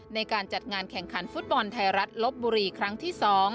ในการจัดงานแข่งขันฟุตบอลไทยรัฐลบบุรีครั้งที่๒